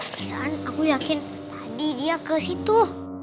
perasaan aku yakin tadi dia ke situ